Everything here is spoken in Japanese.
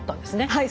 はい。